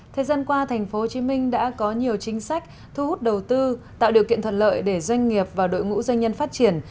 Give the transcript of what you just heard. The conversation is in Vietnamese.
thời gian qua tp hcm đã có nhiều chính sách thu hút đầu tư tạo điều kiện thuận lợi để doanh nghiệp và đội ngũ doanh nhân phát triển